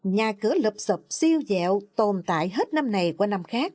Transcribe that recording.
nhà cửa lập sập siêu dẹo tồn tại hết năm này qua năm khác